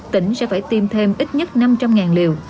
tỉnh sẽ phải tiêm thêm ít nhất năm trăm linh liều